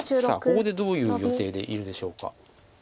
さあここでどういう予定でいるでしょうか。